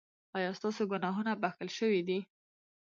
ایا ستاسو ګناهونه بښل شوي دي؟